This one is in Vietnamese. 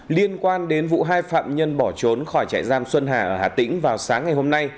liên quan đến vụ hai phạm nhân bỏ trốn khỏi trại giam xuân hà ở hà tĩnh vào sáng ngày hôm nay